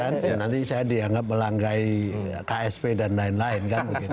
nanti saya dianggap melanggai ksp dan lain lain